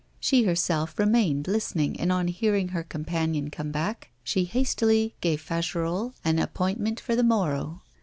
She herself remained listening, and, on hearing her companion come back, she hastily gave Fagerolles an appointment for the morrow.